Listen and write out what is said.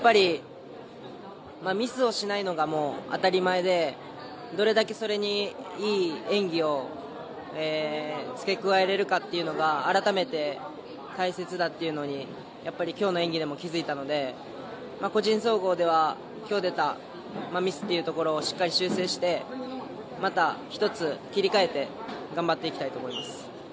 ミスをしないのが当たり前でどれだけそれにいい演技を付け加えれるかっていうのが改めて大切だっていうのにやっぱり今日の演技でも気付いたので個人総合では今日出たミスをしっかり修正してまた１つ、切り替えて、頑張っていきたいと思います。